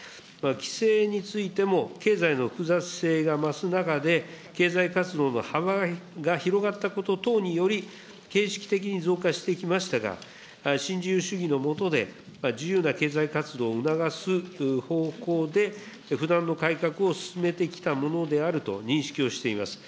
規制についても、経済の複雑性が増す中で、経済活動の幅が広がったこと等により、形式的に増加してきましたが、新自由主義の下で、自由な経済活動を促す方向で不断の改革を進めてきたものであると認識をしています。